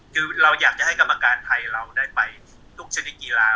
คือเราอยากจะให้กรรมการไทยเราได้ไปทุกชนิดกีฬา